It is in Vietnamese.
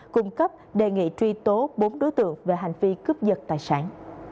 cung cấp đề nghị truy tố bốn đối tượng về hành vi cướp giật tài sản